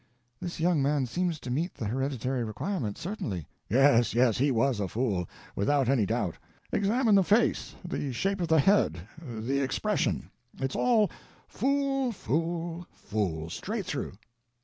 "This young man seems to meet the hereditary requirement, certainly." "Yes, yes, he was a fool, without any doubt. Examine the face, the shape of the head, the expression. It's all fool, fool, fool, straight through."